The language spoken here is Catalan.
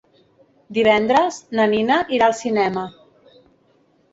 Divendres na Nina irà al cinema.